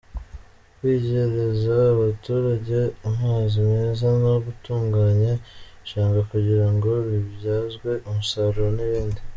kwigereza abaturage amazi meza no gutunganya ibishanga kugira ngo bibyazwe umusaruro n’ibindi.